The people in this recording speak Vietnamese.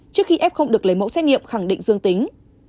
trước khi f được lấy mẫu xét nghiệm khẳng định dương tính